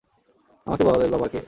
আমাকে বল এর বাবা কে!